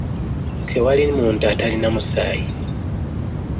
Tewali muntu atalina musaayi.